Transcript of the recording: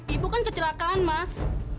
ibu kan kecelakaan mas